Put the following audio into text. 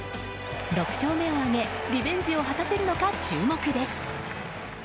６勝目を挙げリベンジを果たせるのか注目です。